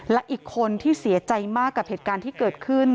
และอีกคนที่เสียใจมากกับเหตุการณ์ที่เกิดขึ้น